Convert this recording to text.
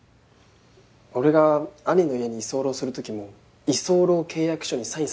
俺が兄の家に居候する時も居候契約書にサインさせられたんです。